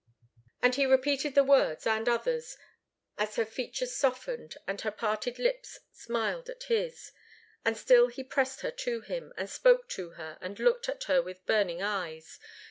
And he repeated the words and others, as her features softened, and her parted lips smiled at his. And still he pressed her to him, and spoke to her, and looked at her with burning eyes.